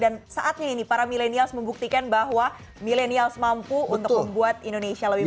dan saatnya ini para milenials membuktikan bahwa milenials mampu untuk membuat indonesia lebih maju